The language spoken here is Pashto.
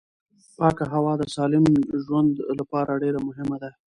پاکه هوا د سالم ژوند لپاره ډېره مهمه ده